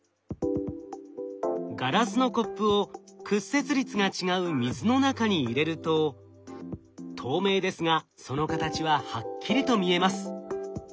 ガラスのコップを屈折率が違う水の中に入れると透明ですがその形ははっきりと見えます。